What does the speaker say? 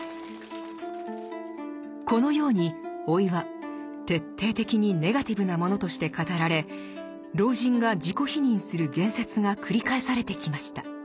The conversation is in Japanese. このように老いは徹底的にネガティブなものとして語られ老人が自己否認する言説が繰り返されてきました。